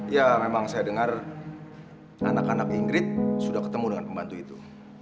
ya memang saya dengar anak anak ingrid sudah ketemu dengan pembantu itu